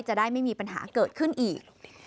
จะได้ไม่มีปัญหาเกิดขึ้นอีก